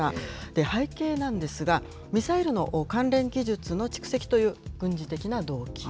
背景なんですが、ミサイルの関連技術の蓄積という軍事的な動機。